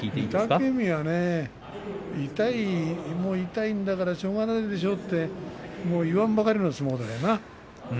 御嶽海は痛いんだからしょうがないでしょうと言わんばかりの相撲ですよね。